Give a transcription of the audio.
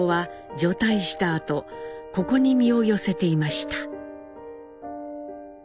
あとここに身を寄せていました。